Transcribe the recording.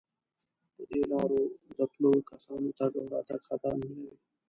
په دې لارو د پلو کسانو تگ او راتگ خطر نه لري.